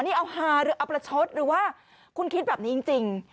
นี่เอาฮาหรือเอาประชดหรือว่าคุณคิดแบบนี้จริง